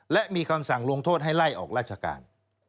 และมีคำสั่งลงโทษให้ไล่ออกราชการ